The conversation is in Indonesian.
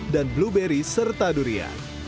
dan blueberry serta durian